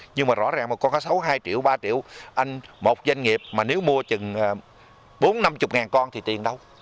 nhưng mà rõ ràng mà con cá sấu hai triệu ba triệu anh một doanh nghiệp mà nếu mua chừng bốn năm mươi ngàn con thì tiền đâu